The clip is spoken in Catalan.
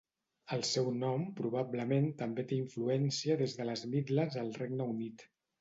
El seu nom probablement també té influència des de les Midlands al Regne Unit.